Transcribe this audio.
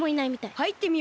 はいってみようか。